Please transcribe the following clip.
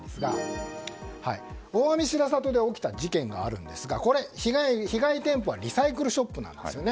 大網白里で起きた事件があるんですがこれ、被害店舗はリサイクルショップなんですね。